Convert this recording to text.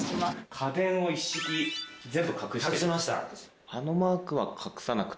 家電を一式全部隠して。